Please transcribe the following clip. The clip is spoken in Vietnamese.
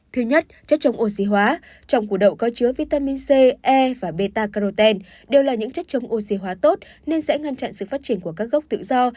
thứ nhất chất chống oxy hóa trong củ đậu có chứa vitamin c e và beta caroten đều là những chất chống oxy hóa tốt nên sẽ ngăn chặn sự phát triển của các gốc tự do